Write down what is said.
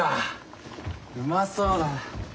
うまそうだな。